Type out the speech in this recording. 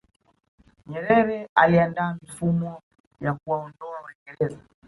nyerere aliandaa mifumo ya kuwaondoa waingereza